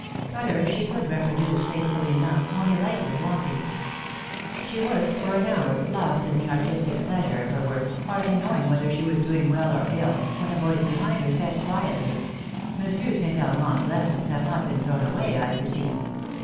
Colour she could reproduce faithfully enough, only light was wanting. She worked for an hour, lost in the artistic pleasure of her work, hardly knowing whether she was doing well or ill, when a voice behind her said quietly, —" Monsieur St. Armand's lessons have not been thrown away, I perceive.